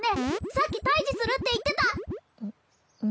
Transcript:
さっき退治するって言ってたう